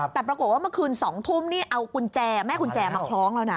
แต่ปรากฏว่าเมื่อคืน๒ทุ่มนี่เอากุญแจแม่กุญแจมาคล้องแล้วนะ